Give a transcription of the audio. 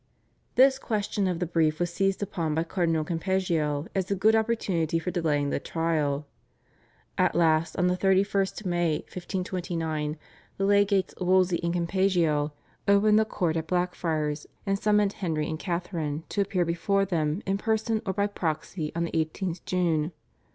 This question of the brief was seized upon by Cardinal Campeggio as a good opportunity for delaying the trial. At last on the 31st May 1529, the legates Wolsey and Campeggio opened the court at Blackfriars, and summoned Henry and Catharine to appear before them in person or by proxy on the 18th June.